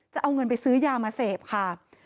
จะเอาเงินไปซื้อยามาเสพค่ะ